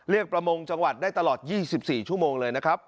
ประมงจังหวัดได้ตลอด๒๔ชั่วโมงเลยนะครับ